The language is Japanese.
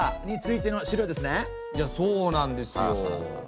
いやそうなんですよ。